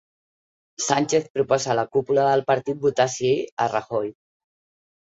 Sánchez proposa a la cúpula del partit votar sí a Rajoy